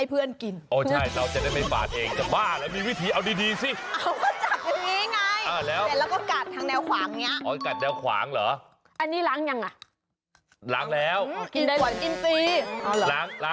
เด็ดกูจะไปกินเหมือนกระโรกไงล่ะ